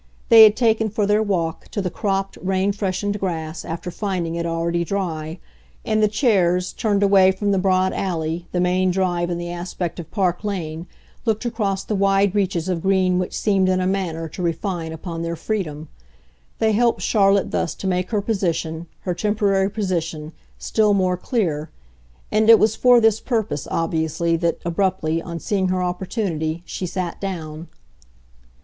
They had taken, for their walk, to the cropped, rain freshened grass, after finding it already dry; and the chairs, turned away from the broad alley, the main drive and the aspect of Park Lane, looked across the wide reaches of green which seemed in a manner to refine upon their freedom. They helped Charlotte thus to make her position her temporary position still more clear, and it was for this purpose, obviously, that, abruptly, on seeing her opportunity, she sat down.